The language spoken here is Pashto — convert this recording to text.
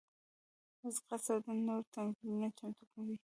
ځغاسته د بدن نور تمرینونه چمتو کوي